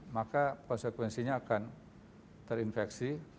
maka konsekuensinya akan terinfeksi